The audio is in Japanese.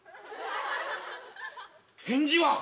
返事は？